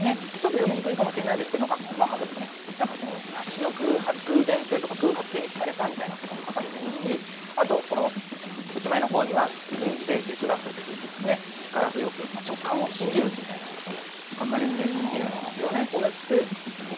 ちょっとよ見にくいかもしれませんけれども、細かくですね、なんか雑誌の偶然性とか、偶発性とかに引かれたみたいなふうに書かれてますし、あとこのおしまいのほうには、人生哲学ですね、直感を信じるみたいなことも書かれているんですよね。